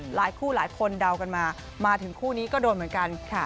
หลายคู่หลายคนเดากันมามาถึงคู่นี้ก็โดนเหมือนกันค่ะ